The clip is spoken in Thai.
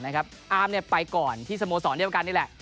อาร์มไปก่อนที่สโมสรนี้เหมือนกันนี่แหละ